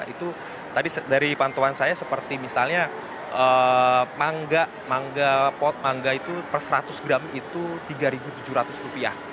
itu tadi dari pantauan saya seperti misalnya mangga mangga pot mangga itu per seratus gram itu rp tiga tujuh ratus rupiah